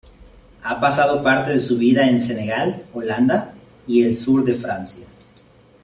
Ha pasado parte de su vida en Senegal, Holanda y el sur de Francia.